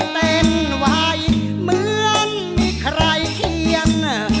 เท่นว่ายเหมือนไม่ใครเคียง